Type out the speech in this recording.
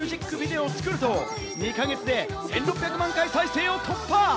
この人気を受け、新たにミュージックビデオを作ると、２か月で１６００万回再生を突破！